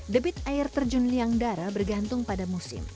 debit air terjun liang darah bergantung pada musim